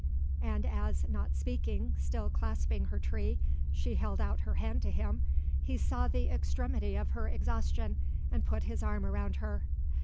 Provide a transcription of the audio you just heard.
And as, not speaking, still clasping her tree, she held out her hand to him, he saw the extremity of her exhaustion and put his arm around her.